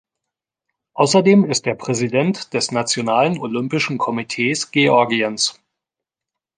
Außerdem ist er Präsident des Nationalen Olympischen Komitees Georgiens.